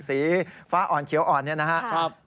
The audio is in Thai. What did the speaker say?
สีฟ้าอ่อนเขียวอ่อนเนี่ยนะครับ